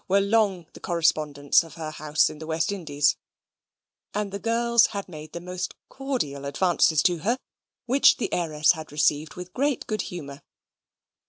were long the correspondents of her house in the West Indies), and the girls had made the most cordial advances to her, which the heiress had received with great good humour.